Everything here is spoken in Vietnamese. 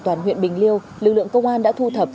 toàn huyện bình liêu lực lượng công an đã thu thập